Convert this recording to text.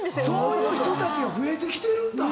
そういう人たちが増えてるんだ